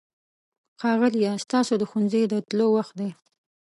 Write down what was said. ښاغلیه! ستاسو د ښوونځي د تلو وخت دی.